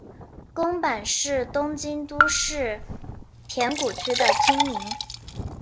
宫坂是东京都世田谷区的町名。